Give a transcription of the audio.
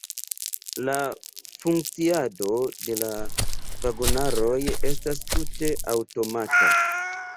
La funkciado de la vagonaroj estas tute aŭtomata.